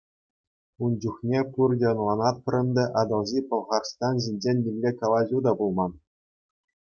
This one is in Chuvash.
Ун чухне, пурте ӑнланатпӑр ӗнтӗ, Атӑлҫи Пӑлхарстан ҫинчен нимле калаҫу та пулман.